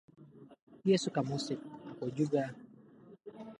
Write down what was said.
"Dia suka musik." "Aku juga."